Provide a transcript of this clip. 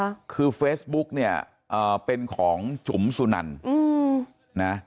ค่ะคือเฟซบุ๊กเนี่ยเอ่อเป็นของจุ๋มสุนันอืมนะ